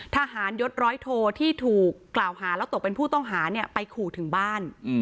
ทหารยศร้อยโทที่ถูกกล่าวหาแล้วตกเป็นผู้ต้องหาเนี่ยไปขู่ถึงบ้าน